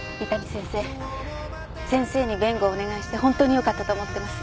先生に弁護をお願いして本当によかったと思ってます。